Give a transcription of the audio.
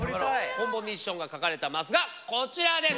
コンボミッションが書かれたマスがこちらです。